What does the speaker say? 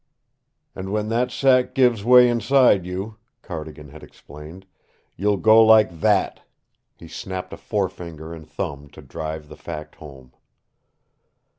"And when that sack gives way inside you," Cardigan had explained, "you'll go like that!" He snapped a forefinger and thumb to drive the fact home.